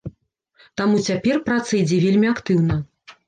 Таму цяпер праца ідзе вельмі актыўна.